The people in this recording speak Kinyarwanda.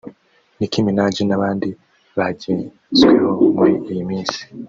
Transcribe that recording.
Nicki Minaj n’abandi bagenzweho muri iyi minsi